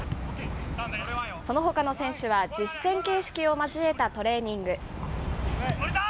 そのほかの選手は、実戦形式を交えたトレーニング。